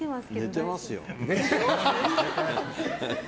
寝てますよ。